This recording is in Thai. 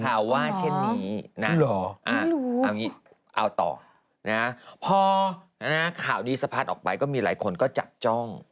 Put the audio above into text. เขาว่าอย่างนั้นนะเอาต่อพอข่าวนี้สะพัดออกไปก็มีหลายคนก็จัดจ้อง